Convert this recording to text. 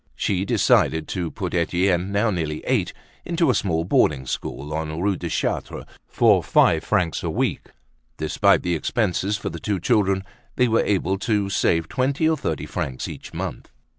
She decided to put Etienne, now nearly eight, into a small boarding school on Rue de Chartres for five francs a week. Despite the expenses for the two children, they were able to save twenty or thirty francs each month.